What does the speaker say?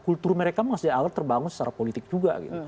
kultur mereka masih awal terbangun secara politik juga gitu